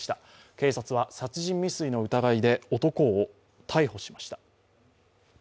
警察は、殺人未遂の疑いで男を逮捕しました。